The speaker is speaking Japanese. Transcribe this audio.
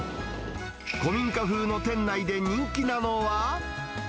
古民家風の店内で人気なのは。